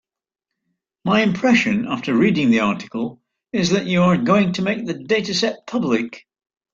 My impression after reading the article is that you are going to make the dataset public.